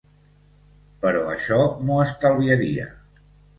Però això m'ho estalviaria.